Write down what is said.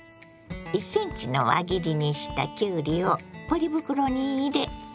１ｃｍの輪切りにしたきゅうりをポリ袋に入れ